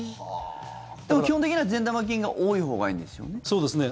基本的には善玉菌が多いほうがそうですね。